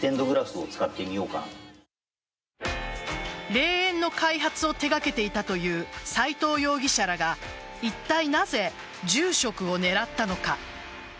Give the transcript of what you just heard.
霊園の開発を手掛けていたという斎藤容疑者らがいったいなぜ住職を狙ったのか。